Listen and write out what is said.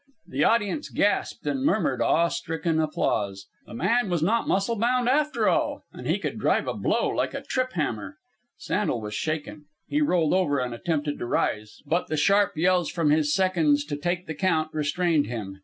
The audience gasped and murmured awe stricken applause. The man was not muscle bound, after all, and he could drive a blow like a trip hammer. Sandel was shaken. He rolled over and attempted to rise, but the sharp yells from his seconds to take the count restrained him.